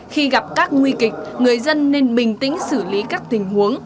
khi gặp các nguy kịch người dân nên bình tĩnh xử lý các tình huống